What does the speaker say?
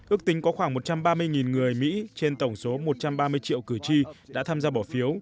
ước tính có khoảng một trăm ba mươi người mỹ trên tổng số một trăm ba mươi triệu cử tri đã tham gia bỏ phiếu